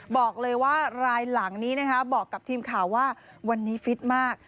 บอกเลยว่ารายหลังนี้นะคะบอกกับทีมข่าวว่าวันนี้ฟิตมาก